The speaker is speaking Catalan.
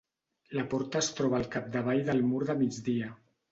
La porta es troba al capdavall del mur de migdia.